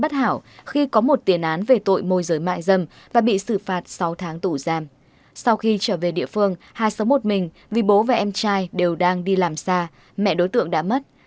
sau khi trở về địa phương hà sống một mình vì bố và em trai đều đang đi làm xa mẹ đối tượng đã mất